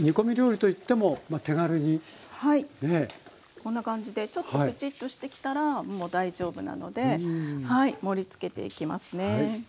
こんな感じでちょっとプチッとしてきたらもう大丈夫なのではい盛りつけていきますね。